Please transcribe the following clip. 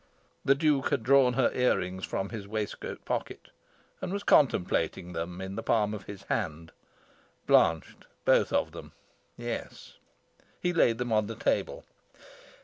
The Duke had drawn her ear rings from his waistcoat pocket, and was contemplating them in the palm of his hand. Blanched, both of them, yes. He laid them on the table.